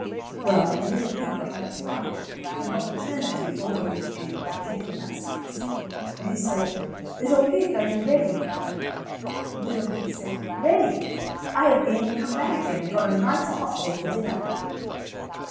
Well, the little pig got up at five, and got the turnips before the wolf came (which he did about six) and who said: "Little Pig, are you ready?" The little pig said: "Ready! I have been and come back again, and got a nice potful for dinner."